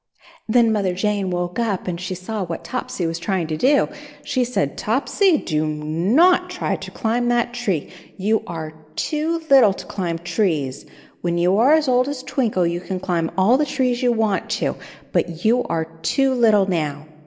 Then Mother Jane woke up and she saw what Topsy was trying to do. She said, "Topsy, do not try to climb that tree; you are too little to climb trees ; when you are as old as Twinkle you can climb all the trees you want to, but you are too little now.